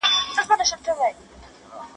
¬ که بيا ودېدم، اينکى به مي ښه زده وي.